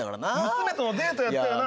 娘とのデートやったよな。